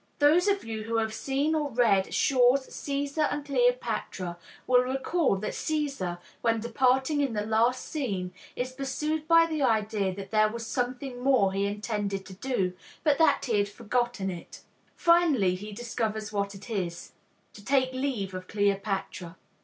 Those of you who have seen or read Shaw's Caesar and Cleopatra will recall that Caesar, when departing in the last scene, is pursued by the idea that there was something more he intended to do, but that he had forgotten it. Finally he discovers what it is: to take leave of Cleopatra.